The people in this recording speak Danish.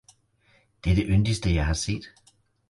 Det er det yndigste jeg har set!